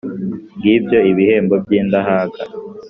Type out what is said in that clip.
ngibyo ibihembo by’indahaga.